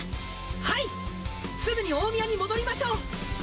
はいすぐに大宮に戻りましょう。